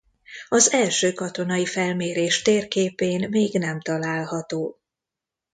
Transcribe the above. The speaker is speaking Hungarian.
Az első katonai felmérés térképén még nem található.